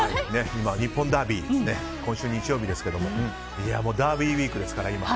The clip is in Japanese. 日本ダービー今週日曜ですけどダービーウィークですから、今。